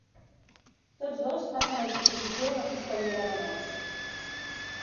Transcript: Tots dos passen a disposició de la fiscalia de menors.